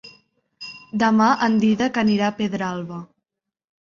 Demà en Dídac anirà a Pedralba.